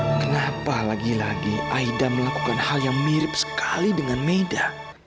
nah kenapa lagi lagi aida melakukan hal yang mirip sekali dengan meida